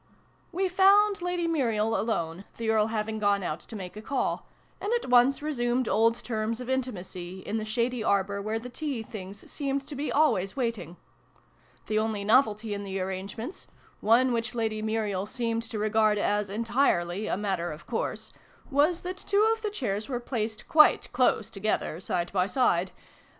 " We found Lady Muriel alone, the Earl having gone out to make a call, and at once resumed old terms of intimacy, in the shady arbour where the tea things seemed to be always waiting. The only novelty in the arrangements (one which Lady Muriel seemed to regard as entirely a matter of course), was that two of the chairs were placed quite close together, side by side.